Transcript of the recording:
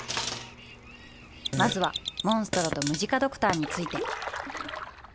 まずはモンストロとムジカドクターについて。